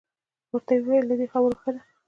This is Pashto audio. ورته یې وویل له دې خبرو ښه ده.